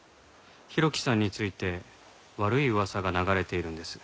浩喜さんについて悪い噂が流れているんです。